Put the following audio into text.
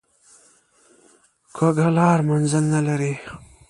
کوږه لار منزل نه لري